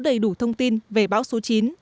đầy đủ thông tin về bão số chín